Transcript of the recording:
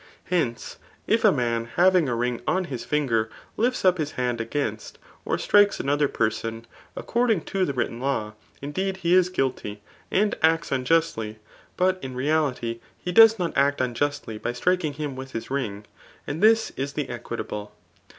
Hence, if a man having a rhg on his finger lifts up his hand against, or striked another person, according to the written laW, indeed^ he is: guilty, and acts ui^ustly ; but in reality^ he does not act unjustly [by striking him with his ring;} and this is the equitable.